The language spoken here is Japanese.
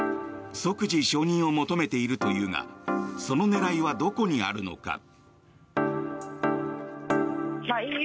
即時承認を求めているというがその狙いはどこにあるのか。